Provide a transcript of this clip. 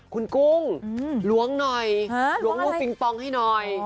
คุณกุ้งล้วงหน่อยล้วงลูกปิงปองให้หน่อย